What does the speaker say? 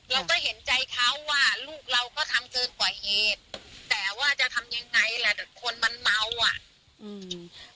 เราก็เห็นใจเขาว่าลูกเราก็ทำเกินกว่าเหตุแต่ว่าจะทำยังไงล่ะแต่คนมันเมาอ่ะอืม